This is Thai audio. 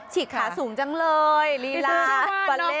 ฉีกขาสูงจังเลยลีลาวาเล่